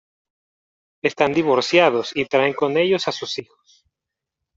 Están divorciados y traen con ellos a sus hijos.